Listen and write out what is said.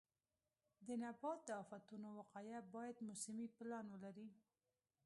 د نبات د آفتونو وقایه باید موسمي پلان ولري.